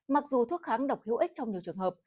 mặc dù thuốc kháng độc hữu ích trong nhiều trường hợp